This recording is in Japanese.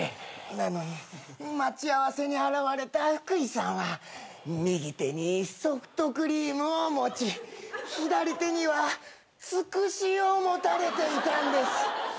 なのに待ち合わせに現れた福井さんは右手にソフトクリームを持ち左手にはツクシを持たれていたんです。